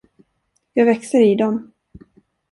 Jag växer i dem.